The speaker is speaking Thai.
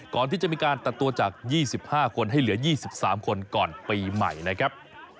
ก่อนที่จะมีการตัดตัวจาก๒๕คนให้เหลือ๒๓คนก่อนปีใหม่นะครับ